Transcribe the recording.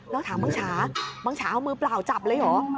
แล้วถามบังฉาบังฉาเอามือเปล่าจับเลยเหรอ